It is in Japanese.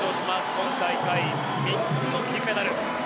今大会３つの金メダル。